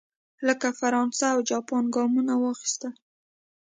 لکه فرانسه او جاپان ګامونه واخیستل.